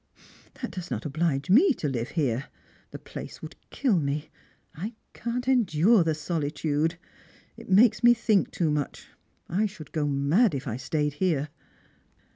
" That does not oblige me to hve here. The place would kill me. I can't endure the solitude. It makes me think too much. I should go mad if I stayed here."